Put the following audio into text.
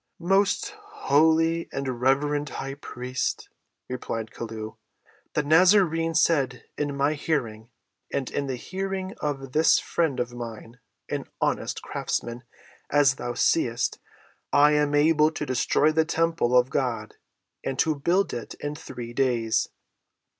"Most holy and reverend high priest," replied Chelluh, "the Nazarene said in my hearing, and in the hearing of this friend of mine—an honest craftsman, as thou seest—'I am able to destroy the temple of God, and to build it in three days!